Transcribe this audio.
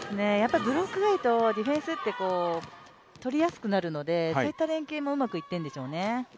ブロックがいいとディフェンスって取りやすくなるのでそういった連係もうまくいっているんでしょうね。